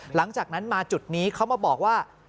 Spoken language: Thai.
หลังจากนั้นมาจุดนี้เขามาบอกว่า